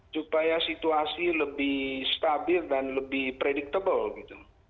supaya situasi lebih stabil dan lebih predictable gitu